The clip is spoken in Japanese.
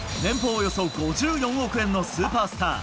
およそ５４億円のスーパースター。